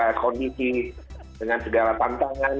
dengan negara kondisi dengan negara tantangan